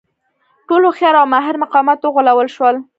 ټول هوښیار او ماهر مقامات وغولول شول.